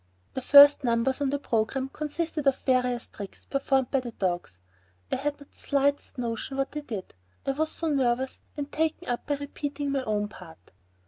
The first numbers on the program consisted of various tricks performed by the dogs. I had not the slightest notion what they did. I was so nervous and taken up in repeating my own part.